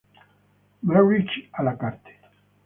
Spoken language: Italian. Marriage a la Carte